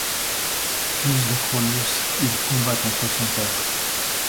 Fils de Cronos, il combat contre son père.